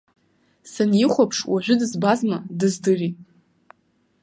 Санихәаԥш, уажәы дызбазма, дыздырит.